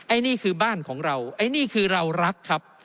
อันนี้คือบ้านของเราไอ้นี่คือเรารักครับ